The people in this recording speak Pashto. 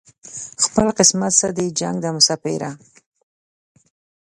خپل قسمت سره دې جنګ دی مساپره